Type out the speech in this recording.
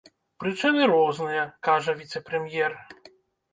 Прычыны розныя, кажа віцэ-прэм'ер.